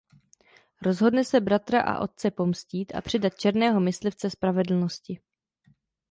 Rozhodne se bratra a otce pomstít a předat Černého myslivce spravedlnosti.